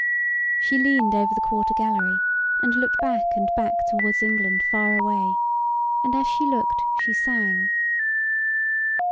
She leaned over the quarter gallery, and looked back and back toward England far away; and as she looked she sang: I.